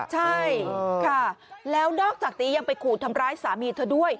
ใช่ค่ะแล้วนอกจากนี้ยังไปขู่ทำร้ายสามีเธอด้วย